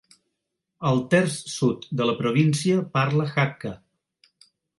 El terç sud de la província parla Hakka.